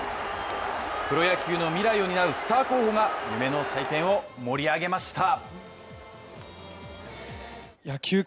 プロ野球の未来を担うスター候補が夢の祭典を盛り上げました。